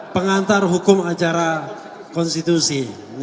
pengantar hukum acara konstitusi